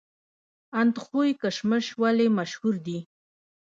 اندخوی کشمش ولې مشهور دي؟